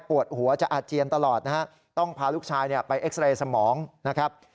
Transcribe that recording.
หัวจะอาเจียนตลอดนะฮะต้องพาลูกชายไปเอ็กซาเรย์สมองนะครับ